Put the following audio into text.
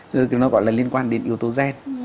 nó gọi là liên quan đến yếu tố gen